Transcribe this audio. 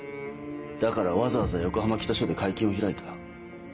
だからわざわざ横浜北署で会見を開いた。